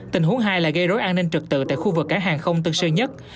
tình huống hai là gây rối an ninh trực tự tại khu vực cảng hàng không tân sơn nhất